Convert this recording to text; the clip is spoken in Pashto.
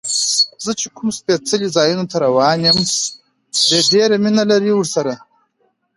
زه چې کوم سپېڅلو ځایونو ته روان یم، دې ډېر مینه لري ورسره.